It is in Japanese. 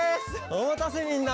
おまたせみんな！